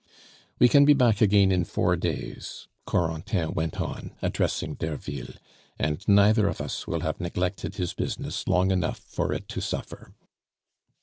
"We can be back again in four days," Corentin went on, addressing Derville, "and neither of us will have neglected his business long enough for it to suffer."